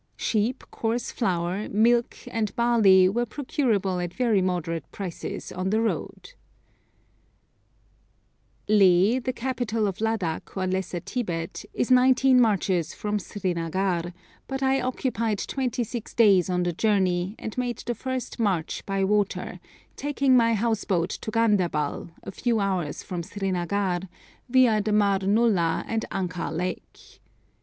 Sheep, coarse flour, milk, and barley were procurable at very moderate prices on the road. [Illustration: THE START FROM SRINAGAR] Leh, the capital of Ladakh or Lesser Tibet, is nineteen marches from Srinagar, but I occupied twenty six days on the journey, and made the first 'march' by water, taking my house boat to Ganderbal, a few hours from Srinagar, viâ the Mar Nullah and Anchar Lake.